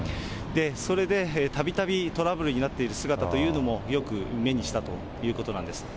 それでたびたびトラブルになっている姿というのもよく目にしたということなんです。